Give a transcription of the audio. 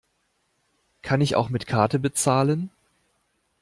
Kann ich auch mit Karte bezahlen?